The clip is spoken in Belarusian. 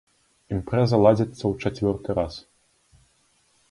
Імпрэза ладзіцца ў чацвёрты раз.